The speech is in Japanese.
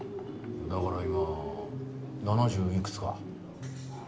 だから今七十いくつか。